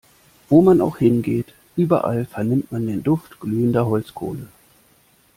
Wo man auch hingeht, überall vernimmt man den Duft glühender Holzkohle.